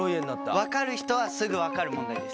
分かる人はすぐ分かる問題です。